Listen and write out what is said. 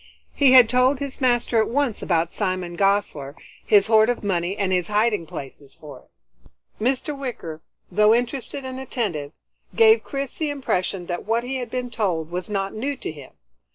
He had told his master at once about Simon Gosler, his horde of money and his hiding places for it. Mr. Wicker though interested and attentive, gave Chris the impression that what he had been told was not new to him.